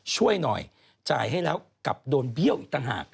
ช่วยหน่อยจ่ายให้แล้วกลับโดนเบี้ยวอีกต่างหาก